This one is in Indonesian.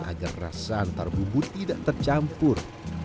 agar rasa antar bumbu tidak tercampur